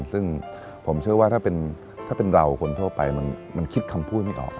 ซึ่งผมเชื่อว่าถ้าเป็นเราคนทั่วไปมันคิดคำพูดไม่ออก